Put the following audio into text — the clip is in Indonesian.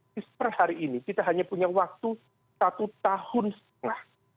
tapi per hari ini kita hanya punya waktu satu tahun setengah